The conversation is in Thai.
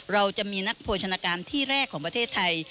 เราจะมีนักโภชนาการที่แรกของประเทศไทย